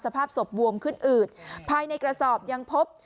สภาพศพบวมขึ้นอืดภายในกระสอบยังพบ